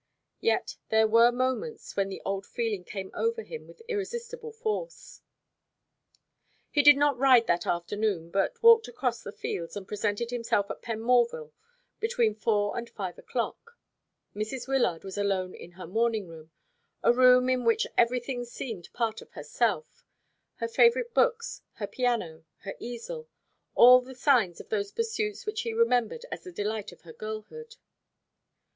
Yet there were moments when the old feeling came over him with irresistible force. He did not ride that afternoon, but walked across the fields, and presented himself at Penmorval between four and five o'clock. Mrs. Wyllard was alone in her morning room, a room in which everything seemed part of herself her favourite books, her piano, her easel all the signs of those pursuits which he remembered as the delight of her girlhood.